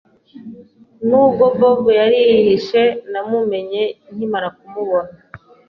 Nubwo Bob yari yihishe, namumenye nkimara kumubona.